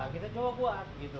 kita coba buat